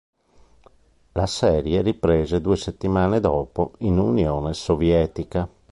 La serie riprese due settimane dopo in Unione Sovietica.